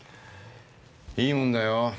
いいもんだよ。